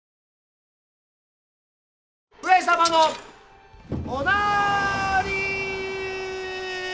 ・上様のおなーりー。